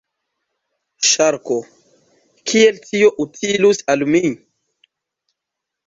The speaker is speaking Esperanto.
Ŝarko: "Kiel tio utilus al mi?"